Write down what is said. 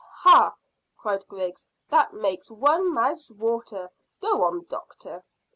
"Hah!" cried Griggs. "This makes one's mouth water. Go on, doctor."